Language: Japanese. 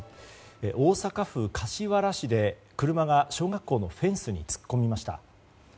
大阪府柏原市で車が小学校のフェンスに突っ込みました。